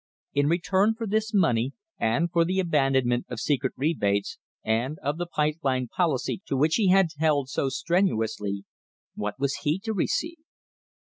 In return for this money and for the abandonment of secret rebates and of the pipe line policy to which he had held so strenuously, what was he to receive?